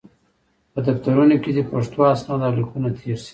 په دفترونو کې دې پښتو اسناد او لیکونه تېر شي.